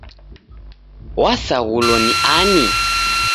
W'asaghulo ni ani?